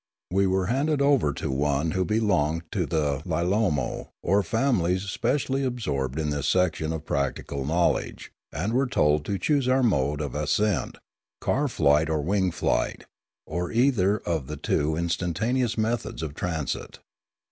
We were handed over to one who be longed to the Lilamo, or families specially absorbed in this section of practical knowledge, and were told to choose our mode of ascent, car flight or wing flight, or either of the two instantaneous methods of transit.